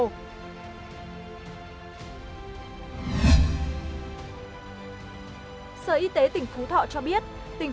sở y tế tỉnh phú thọ cho biết tỉnh phú thọ ghi nhận thêm năm mươi ca phải thở máy can thiệp ít ngô